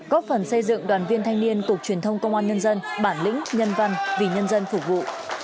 đây là hoạt động công an nhân dân bản lĩnh nhân văn vì nhân dân phục vụ